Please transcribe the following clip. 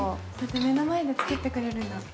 目の前で作ってくれるんだ。